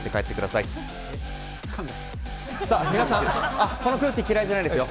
さあ、皆さん、この空気嫌いじゃないですよ。